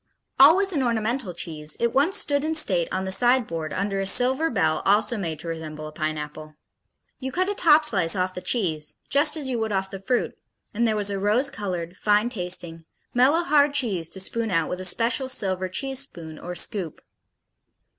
Always an ornamental cheese, it once stood in state on the side board under a silver bell also made to represent a pineapple. You cut a top slice off the cheese, just as you would off the fruit, and there was a rose colored, fine tasting, mellow hard cheese to spoon out with a special silver cheese spoon or scoop.